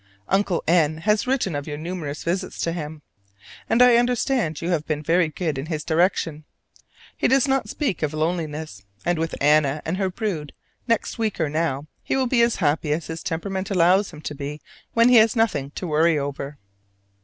Uncle N. has written of your numerous visits to him, and I understand you have been very good in his direction. He does not speak of loneliness; and with Anna and her brood next week or now, he will be as happy as his temperament allows him to be when he has nothing to worry over.